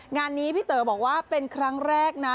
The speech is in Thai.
งานนี้พี่เต๋อบอกว่าเป็นครั้งแรกนะ